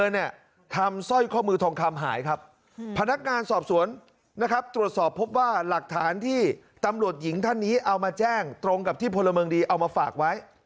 หรือว่าหลักฐานที่ตำรวจหญิงท่านนี้เอามาแจ้งตรงกับที่พลเมิงดีเอามาฝากไว้